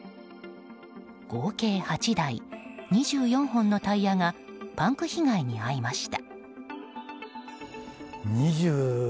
合計８台、２４本のタイヤがパンク被害に遭いました。